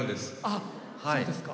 あっそうですか。